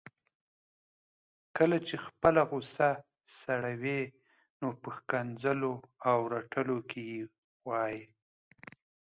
کله چي خپله غصه سړوي نو په ښکنځلو او رټلو کي وايي